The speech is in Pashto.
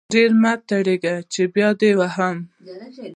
ډير مه ټرتيږه چې بيا دې وهم.